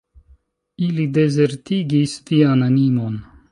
Ili dezertigis vian animon!